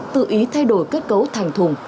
tự ý thay đổi kết cấu thành thùng